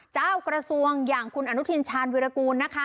เจ้ากระสวงค์อย่างคุณอนุทิริชาณวิรกุลนะคะ